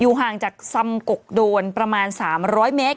ห่างจากซำกกโดนประมาณ๓๐๐เมตร